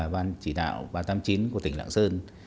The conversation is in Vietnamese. bằng một trăm linh hai chỉ tiêu